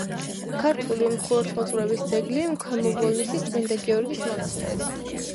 ქართული ხუროთმოძღვრების ძეგლი ქვემო ბოლნისის წმინდა გიორგის მონასტერი.